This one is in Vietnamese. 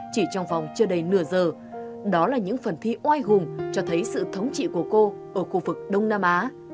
chỉ trong vòng chưa đầy nửa giờ đó là những phần thi oai hùng cho thấy sự thống trị của cô ở khu vực đông nam á